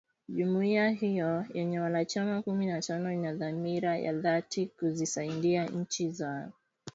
jumuia hiyo yenye wanachama kumi na tano inadhamira ya dhati kuzisaidia nchi hizo